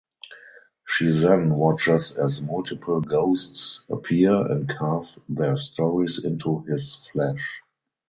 She then watches as multiple ghosts appear and carve their stories into his flesh.